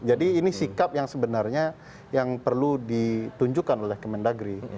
jadi ini sikap yang sebenarnya yang perlu ditunjukkan oleh kemendagri